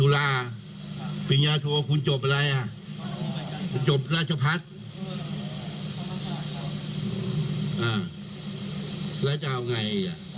แล้วจะเอาไง